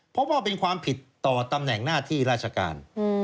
เพราะว่าเป็นความผิดต่อตำแหน่งหน้าที่ราชการ